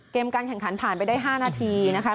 การแข่งขันผ่านไปได้๕นาทีนะคะ